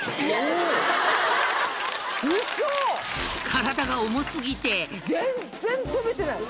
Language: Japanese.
［体が重過ぎて］